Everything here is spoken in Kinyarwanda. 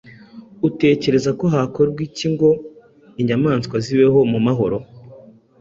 utekereza ko hakorwa iki ngo inyamaswa zibeho mu mahoro